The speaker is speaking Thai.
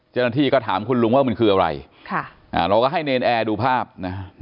เจ้าหน้าที่ก็ถามคุณลุงว่ามันคืออะไรเราก็ให้เนรนแอร์ดูภาพนะ